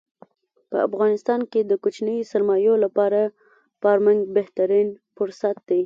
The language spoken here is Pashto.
په افغانستان کې د کوچنیو سرمایو لپاره فارمنګ بهترین پرست دی.